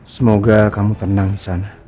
semoga kamu tenang di sana